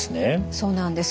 そうなんです。